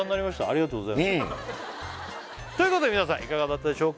ありがとうございますということで皆さんいかがだったでしょうか